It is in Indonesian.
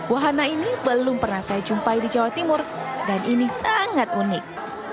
wahana ini belum pernah saya jumpai di jawa timur dan ini sangat unik